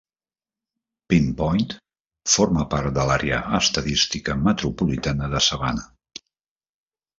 Pin Point forma part de l'Àrea Estadística Metropolitana de Savannah.